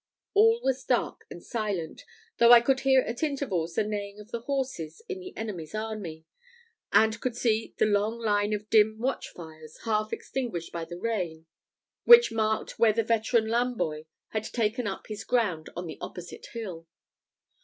All was dark and silent, though I could hear at intervals the neighing of the horses in the enemy's army, and could see the long line of dim watch fires, half extinguished by the rain, which marked where the veteran Lamboy had taken up his ground on the opposite hill.